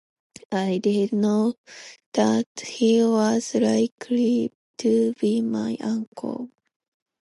I did not know that he was likely to be my uncle.